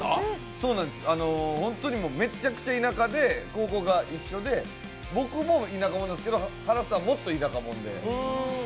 本当にめちゃくちゃ田舎で高校が一緒で、僕も田舎もんですけど、ＨＡＲＡさんもっと田舎もんで。